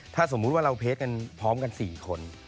ถ้าสมมุติว่าเราเพคกันพร้อมกัน๔คน